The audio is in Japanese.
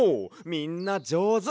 みんなじょうず！